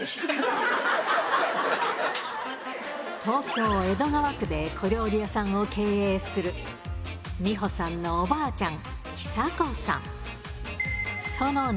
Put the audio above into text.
東京・江戸川区で小料理屋さんを経営する美保さんのおばあちゃん、久子さん。